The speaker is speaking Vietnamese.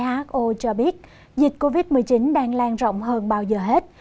tổ chức who cho biết dịch covid một mươi chín đang lan rộng hơn bao giờ hết